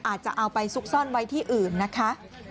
อาจจะเอาไปซุกซ่อนไว้ที่อื่นนะคะ